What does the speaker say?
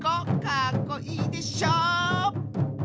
かっこいいでしょ！